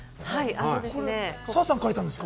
澤さんが描いたんですか？